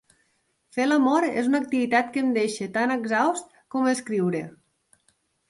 Fer l'amor és una activitat que em deixa tan exhaust com escriure.